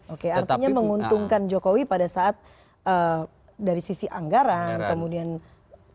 oke artinya menguntungkan jokowi pada saat dari sisi anggaran kemudian